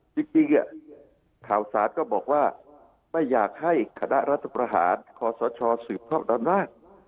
จริงข่าวสารก็บอกว่าไม่อยากให้คณะรัฐประหารคอสชสืบทอดอำนาจ